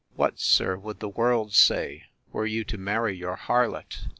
What, sir, would the world say, were you to marry your harlot?